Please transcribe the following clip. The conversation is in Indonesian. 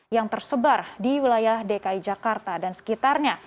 yang tersebar di wilayah dki jakarta dan sekitarnya